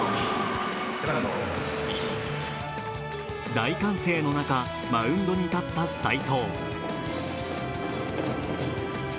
大歓声の中、マウンドに立った斎藤。